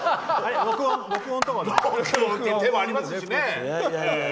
録音の時もありますしね。